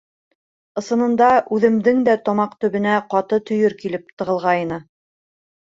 Ысынында үҙемдең дә тамаҡ төбөнә ҡаты төйөр килеп тығылғайны.